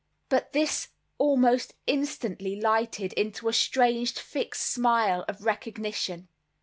But this almost instantly lighted into a strange fixed smile of recognition.